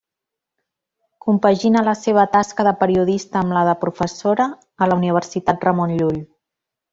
Compagina la seva tasca de periodista amb la de professora a la Universitat Ramon Llull.